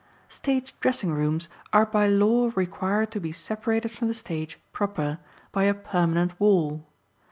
Stage dressing rooms are by law required to be separated from the stage proper by a permanent wall.